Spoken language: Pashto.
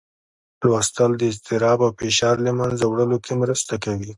لوستل د اضطراب او فشار له منځه وړلو کې مرسته کوي